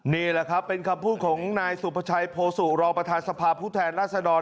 นี่แหละครับเป็นคำพูดของนายสุภาชัยโพสุรองประธานสภาพผู้แทนราษฎร